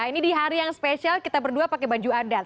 ini di hari yang spesial kita berdua pakai baju adat